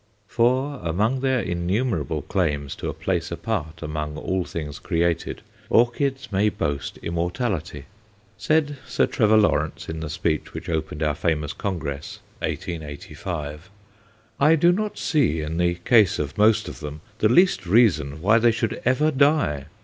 For among their innumerable claims to a place apart among all things created, orchids may boast immortality. Said Sir Trevor Lawrence, in the speech which opened our famous Congress, 1885: "I do not see, in the case of most of them, the least reason why they should ever die.